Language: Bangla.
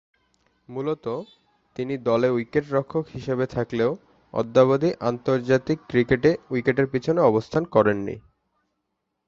মূলতঃ তিনি দলে উইকেট-রক্ষক হিসাবে থাকলেও অদ্যাবধি আন্তর্জাতিক ক্রিকেটে উইকেটের পিছনে অবস্থান করেননি।